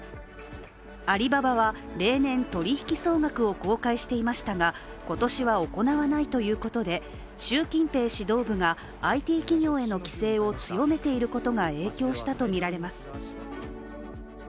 アリババは例年、取引総額を公開していましたが今年は行わないということで習近平指導部がＩＴ企業への規制を強めていることが影響したとみられます。